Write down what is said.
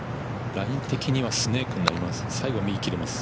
ライン的にはスネークになります。